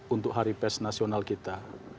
untuk hari pers nasional kita